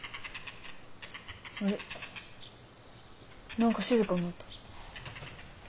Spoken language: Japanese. あれっ何か静かになった。